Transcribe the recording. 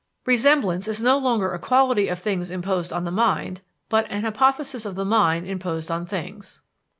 Resemblance is no longer a quality of things imposed on the mind, but an hypothesis of the mind imposed on things.